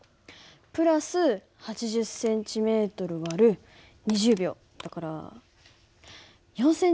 ＋８０ｃｍ÷２０秒だから４ｃｍ／ｓ。